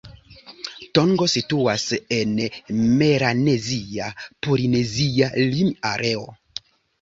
Tongo situas en melanezia-polinezia lim-areo.